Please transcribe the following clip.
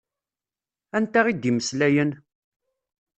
Anta i d-imeslayen?